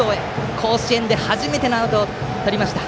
甲子園で初めてのアウトをとりました。